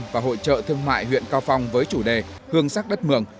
và hội trợ thương mại huyện cao phong với chủ đề hương sắc đất mường